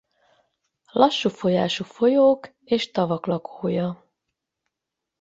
Lassú folyású folyók és tavak lakója.